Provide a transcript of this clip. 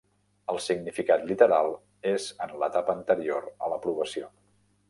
El significat literal és en l'etapa anterior a l'aprovació.